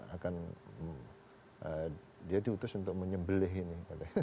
akan dia diutus untuk menyembelih ini